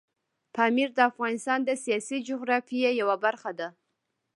پامیر د افغانستان د سیاسي جغرافیې یوه برخه ده.